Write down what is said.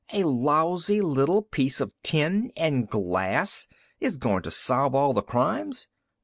"A lousy little piece of tin and glass is going to solve all the crimes."